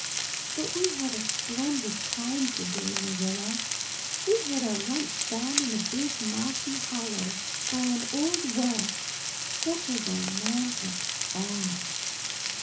But we had a splendid time today, Marilla. We had our lunch down in a big mossy hollow by an old well such a romantic spot.